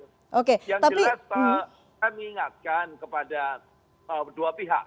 yang jelas kan mengingatkan kepada dua pihak